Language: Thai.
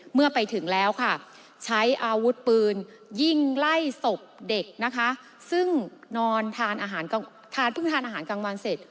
เมื่อไปถึงแล้วค่ะใช้อาวุธปืนยิงไล่ศพเด็กนะคะซึ่งนอนทานอาหารเพิ่งทานอาหารกลางวันเสร็จ